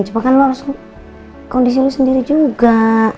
coba kan lo harus kondisi lo sendiri juga